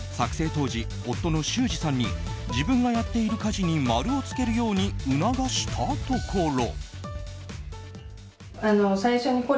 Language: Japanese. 当時、夫の修士さんに自分がやっている家事に丸を付けるように促したところ。